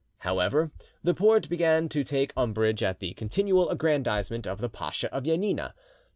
However, the Porte began to take umbrage at the continual aggrandisement of the Pacha of Janina.